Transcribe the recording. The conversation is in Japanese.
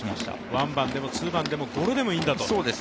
ワンバンでもツーバンでもゴロでもいいんだと。